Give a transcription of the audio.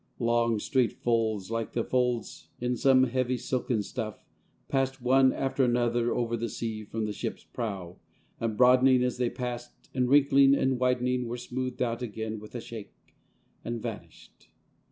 Long, straight folds, like the folds in some heavy silken stuff, passed one after another over the sea from the ship's prow, and broadening as they passed, and wrinkling and widening, were smoothed out again with a shake, and vanished.